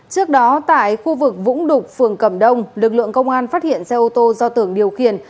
trước đó tại khu vực vũng đục phường cầm đông lực lượng công an phát hiện xe ô tô do tưởng điều khiển